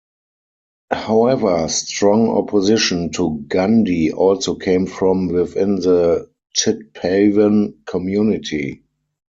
However, strong opposition to Gandhi also came from within the Chitpavan community.